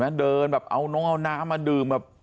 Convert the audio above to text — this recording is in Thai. กันเดินแบบเอาน้ำมาดื่ม